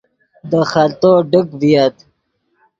دے خلتو ڈک ڤییت